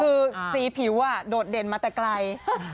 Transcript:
คือสีผิวโดดเด่นมาแต่ไกล